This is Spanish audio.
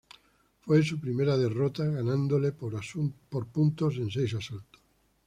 Fue su primera derrota, ganándole por puntos en seis asaltos.